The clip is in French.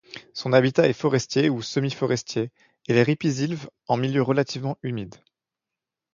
Son habitat est forestier ou semi-forestier et les ripisylves, en milieu relativement humide.